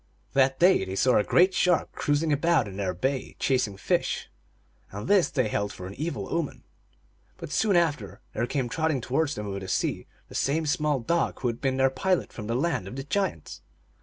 That day they saw a great shark cruising about in their bay, chasing fish, and this they held for an evil omen. But, soon after, there came trotting towards them over the sea the same small dog who had been their pilot from the Land of the Giants.